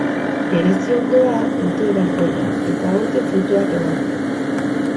Gereziondoa dute balkoian eta aurten fruituak eman ditu.